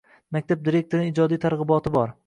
Maktab direktorining ijodiy targ’iboti bor.